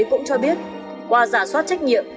cũng cho biết qua giả soát trách nhiệm